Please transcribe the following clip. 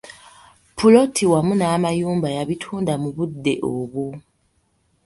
Puloti wamu n'amayumba yabituunda mu budde obwo.